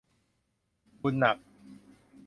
บุญหนัก